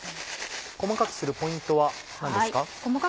細かくするポイントは何ですか？